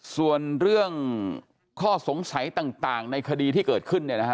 ส่วนเรื่องข้อสงสัยต่างในคดีที่เกิดขึ้น